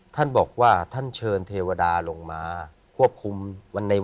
ท่านบอกว่าท่านเชิญเทวดาลงมา